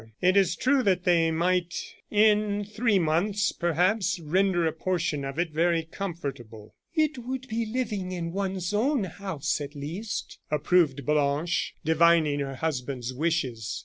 It is true that they might in three months, perhaps, render a portion of it very comfortable." "It would be living in one's own house, at least," approved Blanche, divining her husband's wishes.